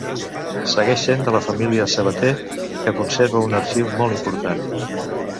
Segueix sent de la família Sabater, que conserva un arxiu molt important.